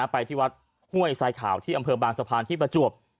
ไปที่วัดห้วยทรายขาวที่อำเภอบางสะพานที่ประจวบ